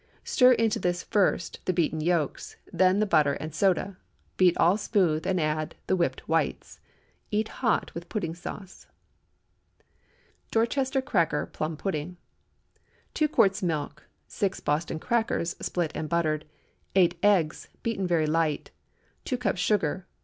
Stir into this first the beaten yolks, then the butter and soda; beat all smooth and add the whipped whites. Eat hot, with pudding sauce. DORCHESTER CRACKER PLUM PUDDING. 2 quarts milk. 6 Boston crackers—split and buttered. 8 eggs—beaten very light. 2 cups sugar.